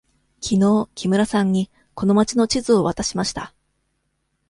きのう木村さんにこの町の地図を渡しました。